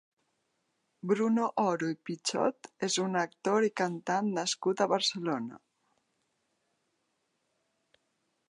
Bruno Oro i Pichot és un actor i cantant nascut a Barcelona.